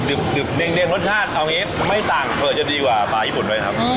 เด็งรสชาติเอาอย่างนี้ไม่ต่างเผื่อจะดีกว่าปลาญี่ปุ่นด้วยครับ